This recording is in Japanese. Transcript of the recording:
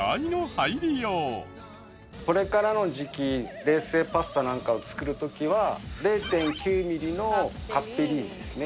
これからの時期冷製パスタなんかを作る時は０．９ミリのカッペリーニですね。